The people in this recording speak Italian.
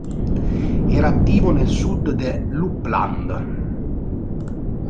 Era attivo nel sud dell'Uppland.